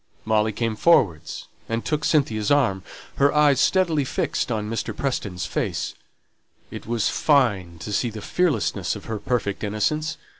Molly came forward and took Cynthia's arm, her eyes steadily fixed on Mr. Preston's face. It was fine to see the fearlessness of her perfect innocence.